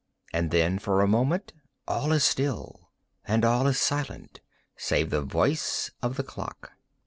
And then, for a moment, all is still, and all is silent save the voice of the clock.